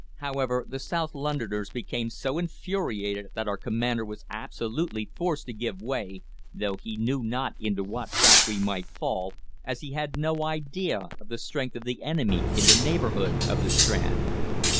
However, the South Londoners became so infuriated that our commander was absolutely forced to give way, though he knew not into what trap we might fall, as he had no idea of the strength of the enemy in the neighbourhood of the Strand.